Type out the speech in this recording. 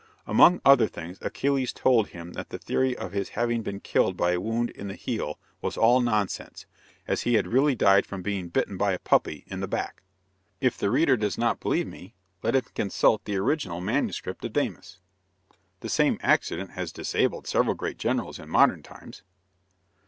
Among other things, Achilles told him that the theory of his having been killed by a wound in the heel was all nonsense, as he had really died from being bitten by a puppy, in the back. If the reader does not believe me, let him consult the original MS. of Damis. The same accident has disabled several great generals in modern times.